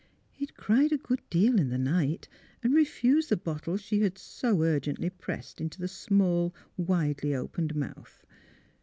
He had cried a good deal in the night and refused the bottle she had so urgently pressed into the small, widely opened mouth.